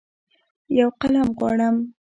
یوقلم غواړم